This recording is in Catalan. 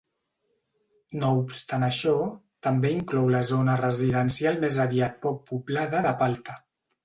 No obstant això, també inclou la zona residencial més aviat poc poblada de Paltta.